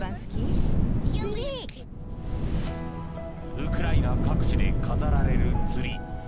ウクライナ各地で飾られるツリー。